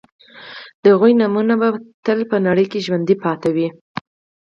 د هغوی نومونه به تل په نړۍ کې ژوندي پاتې وي